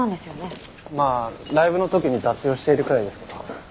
まあライブの時に雑用しているくらいですけど。